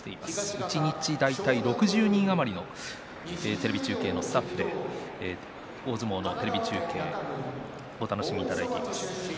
一日、大体６０人余りのテレビ中継のスタッフで大相撲のテレビ中継をお楽しみいただいています。